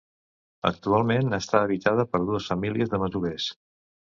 Actualment està habitada per dues famílies de masovers.